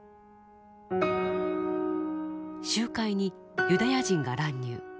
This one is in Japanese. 集会にユダヤ人が乱入。